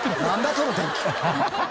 その天気。